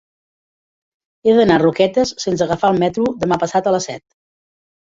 He d'anar a Roquetes sense agafar el metro demà passat a les set.